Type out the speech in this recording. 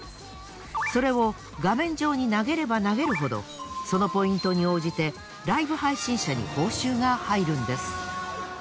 それを画面上に投げれば投げるほどそのポイントに応じてライブ配信者に報酬が入るんです。